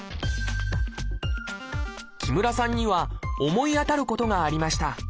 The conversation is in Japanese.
木村さんには思い当たることがありました。